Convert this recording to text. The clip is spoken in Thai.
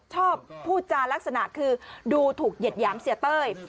ชอบพูดจารักษณะคือดูถูกเหยียดหยามเสียเต้ย